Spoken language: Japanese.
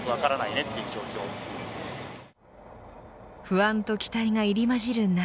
不安と期待が入り交じる中。